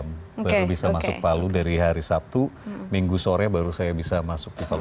baru bisa masuk palu dari hari sabtu minggu sore baru saya bisa masuk ke palu